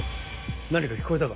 何か聞こえたか？